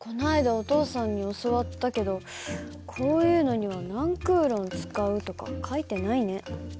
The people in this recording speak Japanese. お父さんに教わったけどこういうのには何Ｃ使うとか書いてないね。